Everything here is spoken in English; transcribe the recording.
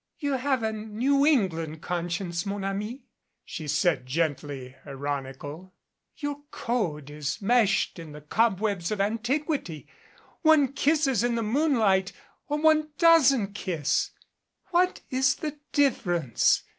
"You have a New England conscience, mon ami" she said, gently ironical. "Your code is meshed in the cob webs of antiquity. One kisses in the moonlight or one doesn't kiss. What is the difference?